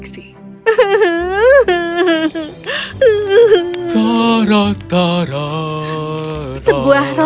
gimana perhatianmu ada